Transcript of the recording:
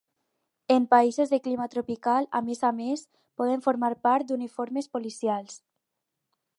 En països de clima tropical, a més a més, poden formar part d'uniformes policials.